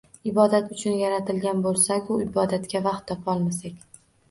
Ibodat uchun yaratilgan bo‘lsagu, ibodatga vaqt topa olmasak!?